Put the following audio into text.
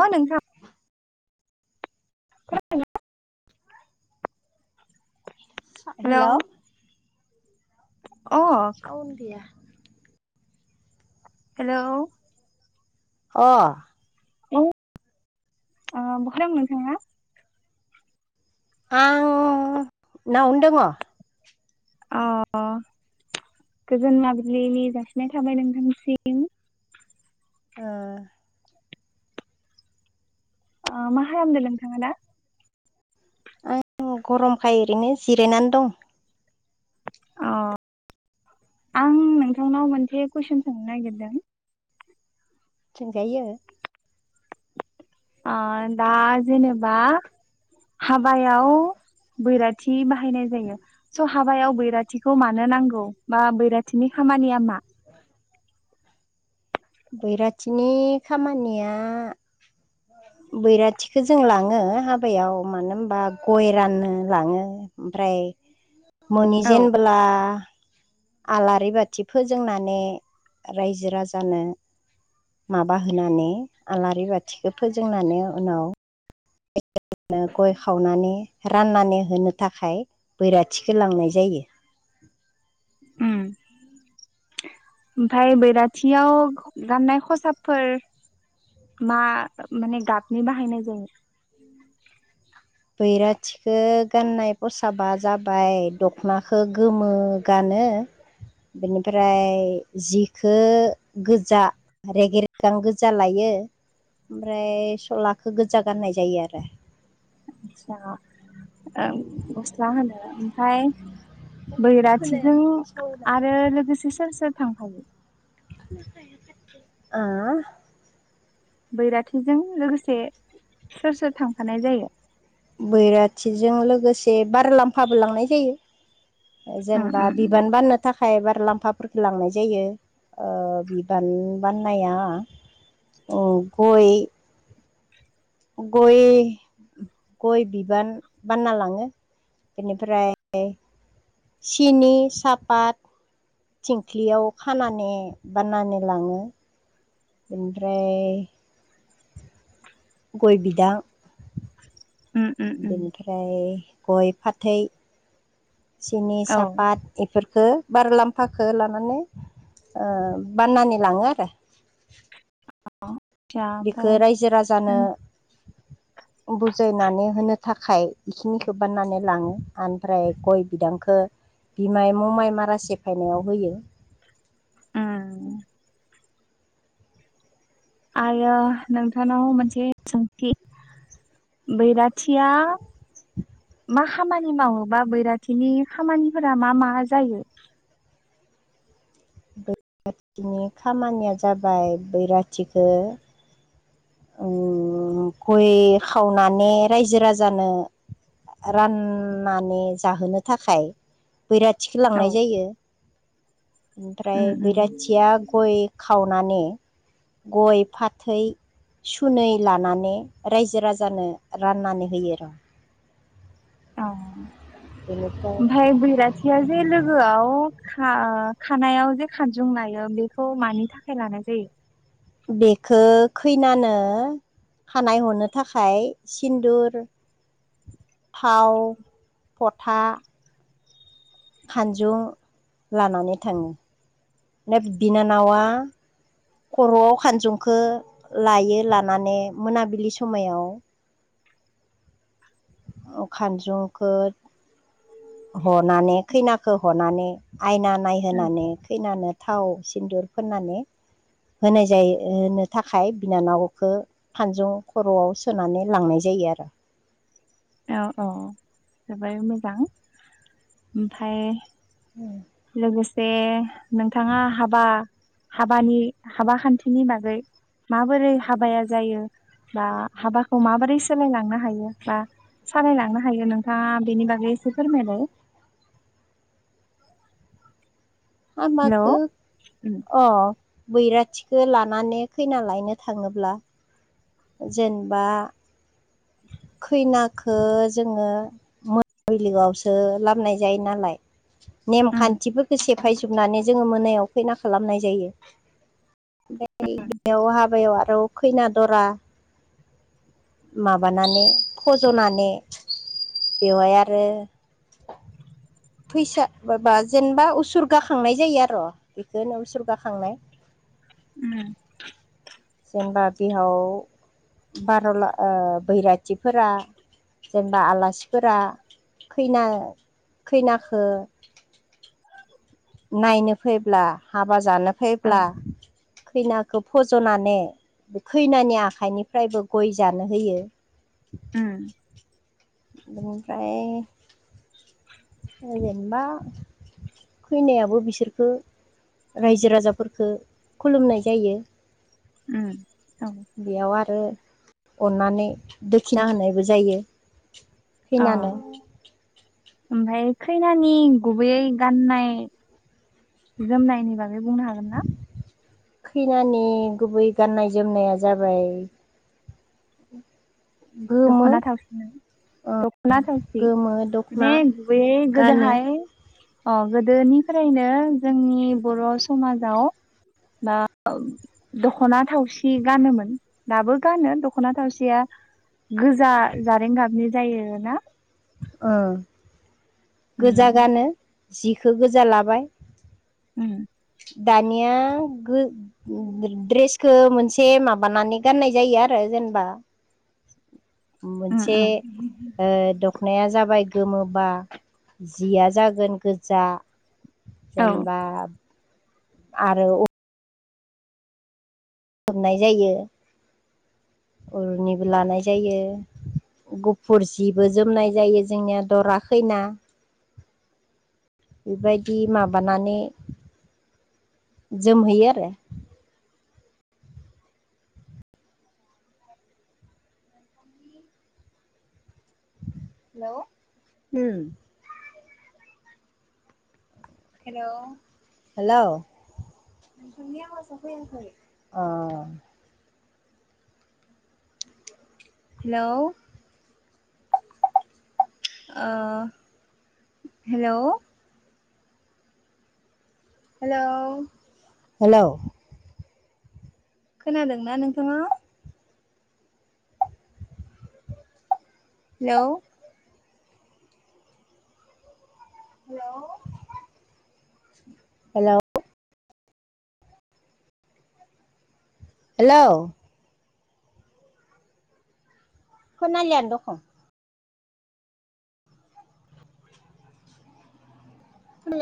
अ नोंथां। खोनादों ना? हेल'! अ साउन गैया। हेल'! अ अ बहा दं नोंथाङा? आं नावनो दङ। अ। गोजोन माबिलिनि जासिनाय थाबाय नोंथांसिम। ओ। आ मा खालामदों नोंथांआ दा? आं गरमखाय ओरैनो जिरायनानै दं। आ आं नोंथांनाव मोनसे कुइसन सोंनो नागिरदों। सोंजायो। आ दा जेनेबा हाबायाव बैराथि बाहायनाय जायो स' हाबायाव बैराथिखौ मानो नांगौ बा बैराथिनि खामानिया मा? बैराथिनि खामानिया [inaudible] बैराथिखो जों लाङो हाबायाव मानो होनबा गय राननो लाङो ओमफ्राय [inaudible] मोनहै औ जेनब्ला आलारि बाथि फोजोंनानै रायजो-राजानो माबा होनानै आलारि बाथिखौ फोजोंनानै उनाव नो गय खावनानै राननानै होनो थाखाय बैराथिखो लांनाय जायो। उम। ओमफाय बैराथिया गाननाय खसाबफोर मा माने गाबनि बाहायनाय जायो? बैराथिखौ गाननाय खसाबा जाबाय दखनाखौ गोमो गान नो। बेनिफ्राय जिखो गोजा रेगे-रेगां गोजा लायो। ओमफ्राय सलाखौ गोजा गाननाय जायो आरो। आतसा ओ गस्ला होनो ओमफाय बैराथिजों खोनायाखैलै आरो लोगोसे सोर सोर थांफायो? ओ बैराथिजों लोगोसे सोर-सोर थांफानाय जायो? बैराथिजों लोगोसे बारलाम्फाबो लांनाय जायो। उम जेनेबा उम बिबान बाननो थाखाय बा रलाम्फाफोरफोरखौ लांनाय जायो ओ बिबान बाननाया ओ गय गय गय बिबार बानना लाङो। बेनिफ्राय सिनि सापात। थिंख्लियाव खानानै बाननानै लाङो। ओमफ्राय गय बिदां उम उम उम बेनिफ्राय गय फाथै। औ सिनि-सापात इफोरफोरखो बारलाम्फाखो लांहोनो। ओ बाननानै लाङो आरो। औ। बिखो रायजो-राजानो बुजायनानै होनो थाखाय बेखिनिखो बाननानै लाङो ओमफ्राय गय बिदांखो बिमाय ममाइ मारा सेफायनायाव होयो। ओम। आरो नोंथांनाव मोनसे सोंखि बैराथिया मा खामानि मावोबा बैराथिनि खामानिफोरा मा मा जायो? बैराथिनि खामानिया जाबाय बैराथिखो ओम गय खावनानै रायजो-राजानो राननानै जाहोनो थाखाय बैराथिखो औ लांनाय जायो। ओमफ्राय उम उम बैराथिया गय खा वनानै गय-फाथै सुनै लानानै रायजो-राजानो राननानै होयो रा। ओं बेनिफ्राय ओमफ्राय बैराथिया जे लोगोआव खा खानायाव जे खानजुं लायो बेखौ मानि थाखाय लानाय जायो बेखौ खैनानो खानाय हनो थाखाय सिन्दुर थाव पथा खानजुं लानानै थाङो नेप बिनानावा खर'आव खानजंखौ लायो लानानै मोनाबिलि समायाव खानजुंखौ हनानै खैनाखौ हनानै आयना नायहोनानै खैनानो थाव सिन्दुर फोननानै होनाय जायो होनो थाखाय बिनानावखौ फानजुं खर'आव सोनानै लांनाय जायो बिदि आरो औ औ जोबोर मोजां ओमफ्राय लोगोसे नोंथाङा हाबा हाबानि हाबा खान्थिनि बागै माबोरै हाबाया जायो बा हाबाखौ माबोरै सोलायलांनो हायो बा सालायलांनो हायो नोंथाङा बेनि बागै एसे फोरमायलाय हा हेलौ माखो उम अ बैराथिखो लानानै खैना लायनो थाङोब्ला जेनेबा [unintelligible] खैनाखौ जोङो मोनाबिलिआवसो लाबोनाय जायो नालाय उम नेमखान्थिफोरखौ सेफायजोबनानै जोङो मोनायाव खैना लाबोनाय जायो बे बेयाव हाबायाव आरो खैना दरा माबानानै फज'नानै बेवहाय आरो फैसा माबा जेनेबा उसुरगा खांनाय जायो आर' बेखौनो उसुरगा होनो खांनाय। उम्म। जेनेबा बिहाव बार'ला बैराथिफोरा जेनेबा आलासिफोरा खैना खैनाखो [unintelligible] नायनो फैब्ला हाबा जानो औ फैब्ला खैना फज'नानै खैनानि आखाइनिफ्रायबो गय जानो होयो। उम्म। बेनिफ्राय जेनेबा खैनायाबो बिसोरखो रायजो राजाफोरखो खुलुमनाय जायो। उम्म। बेयाव आरो अननानै दोखिना होनायबो जायो। अ खैनानो ओमफ्राय खैनानि गुबैयै गाननाय जोमनायनि बागै बुंनो हागोन ना? खैनानि गुबै गाननाय जोमनाया जाबाय गोमो दखना थावसि ना ना थावसि गोमो दख'ना ने गुबै गानो गोदोहाय अ गोदोनिफ्रायनो जोंनि बर' समाजाव मा दख'ना थावसि गानोमोन दाबो गानो दख'ना थावसिया गोजा जारें गाबनि जायो ना? ओ गोजा उम गानो जिखौ गोजा लाबाय उम्म। दानिया गो द्रेसखौ मोनसे माबानानै गाननाय जायो आरो जेनबा [unintelligible] उम मोनसे उम ओ दखनाया जाबाय गोमो बा जिया जागोन गोजा औ जेनेबा आरो खोबनाय जायो उरनिबो लानाय जायो गुफुर जिबो जोमनाय जायो जोंनिया दरा खैना बेबायदि माबानानै जोमहोयो आरो हेल' हुम्म। हेल' हेलौ। नोंनि आवाजा फैयाखै। अ हेलौ। ओ हेलौ। Hello hello. खोनादोंना नोंथाङा? हेलौ। हेलौ। हेल'। हेलौ। खोनालियानो दखं।